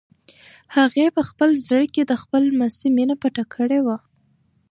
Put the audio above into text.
هغې په خپل زړه کې د خپل لمسي مینه پټه کړې وه.